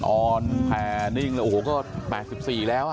อ่อนแผนนิ่งแล้วโอ้โหก็๘๔แล้ว